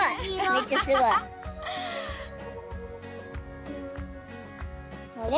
めっちゃすごい。あれ？